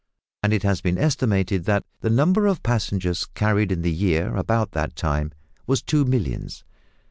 And it has been estimated that the number of passengers carried in the year about that time was two millions.